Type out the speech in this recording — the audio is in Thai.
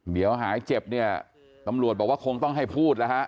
เดี๋ยวหายเจ็บเนี่ยตำรวจบอกว่าคงต้องให้พูดแล้วฮะ